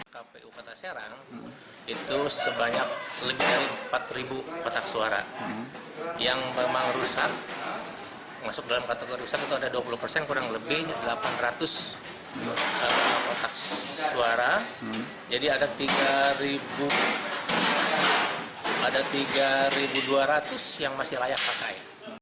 kpu di sini memiliki tiga dua ratus yang masih layak dipakai